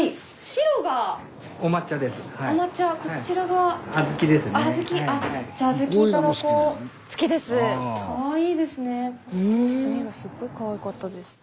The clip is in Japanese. スタジオ包みがすごいかわいかったです。